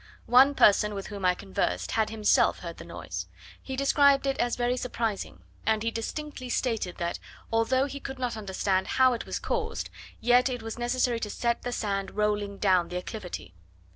One person with whom I conversed had himself heard the noise: he described it as very surprising; and he distinctly stated that, although he could not understand how it was caused, yet it was necessary to set the sand rolling down the acclivity.